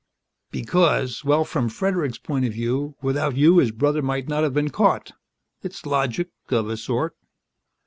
"Because ... well, from Fredericks' point of view, without you his brother might never have been caught. It's logic of a sort."